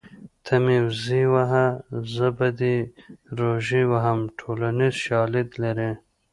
ته مې وزې وهه زه به دې روژې وهم ټولنیز شالید لري